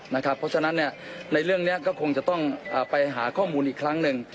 เพราะฉะนั้นในเรื่องนี้ก็คงจะต้องไปหาข้อมูลอีกครั้งหนึ่ง